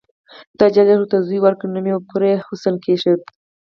خدای ج ورته زوی ورکړ نوم یې پرې حسین کېښود.